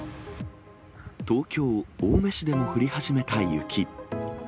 東京・青梅市でも降り始めた雪。